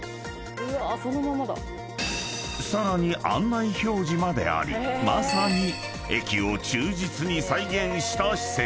［さらに案内表示までありまさに駅を忠実に再現した施設］